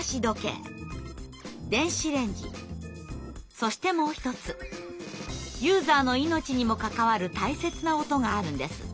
そしてもう一つユーザーの命にも関わる大切な音があるんです。